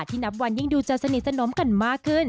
นับวันยิ่งดูจะสนิทสนมกันมากขึ้น